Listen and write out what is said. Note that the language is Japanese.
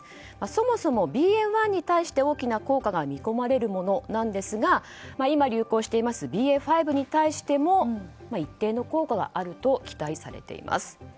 そもそもＢＡ．１に対して大きな効果が見込まれるものなんですが今、流行しているＢＡ．５に対しても一定の効果があると期待されています。